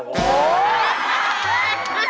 โอ้โห